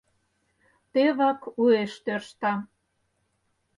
Тевак уэш тӧршта.